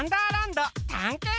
どたんけん